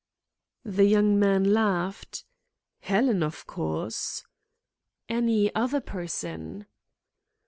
The young man laughed. "Helen, of course." "Any other person?"